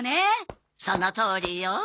そのとおりよ。